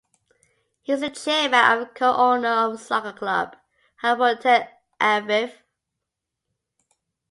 He is the chairman and co-owner of the soccer club Hapoel Tel Aviv.